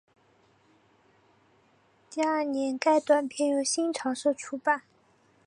第二年该短篇由新潮社出版。